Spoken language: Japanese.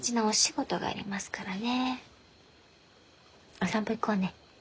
お散歩行こうね。